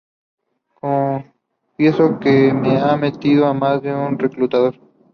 Confieso que he mentido a más de un reclutador.